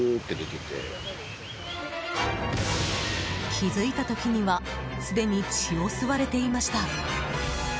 気づいた時にはすでに血を吸われていました。